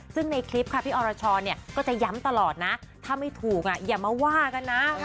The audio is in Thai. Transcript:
ซึ่งในคลิปค่ะพี่อรชรก็จะย้ำตลอดนะถ้าไม่ถูกอย่ามาว่ากันนะ